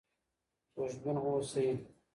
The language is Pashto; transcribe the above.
خوشبین اوسئ.